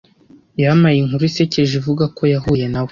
Yampaye inkuru isekeje ivuga ko yahuye na we.